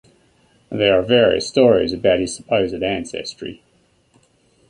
There are various stories about his supposed ancestry.